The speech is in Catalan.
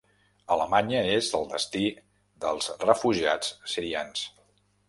Alemanya és el destí dels refugiats sirians